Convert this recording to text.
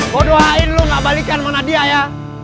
kau doain lu gak balikan sama nadia ya